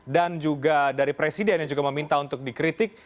dan juga dari presiden yang juga meminta untuk dikritik